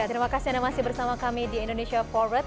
terima kasih anda masih bersama kami di indonesia forward